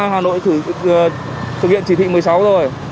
hà nội thử thực hiện chỉ thị một mươi sáu rồi